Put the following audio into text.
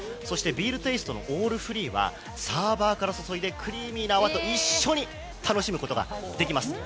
ビールテイストのオールフリーはサーバーから注いでクリーミーな泡と一緒に楽しむことができます。